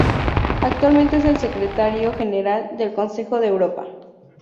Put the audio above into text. Actualmente es el Secretario General del Consejo de Europa.